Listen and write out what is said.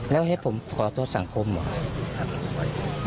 แล้วให้ผมขอโทษสังคมเหรอ